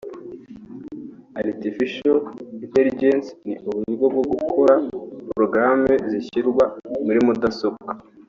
Artificial Intelligence ni uburyo bwo gukora porogaramu zishyirwa muri mudasobwa